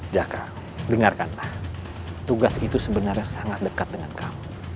jaka dengarkanlah tugas itu sebenarnya sangat dekat dengan kamu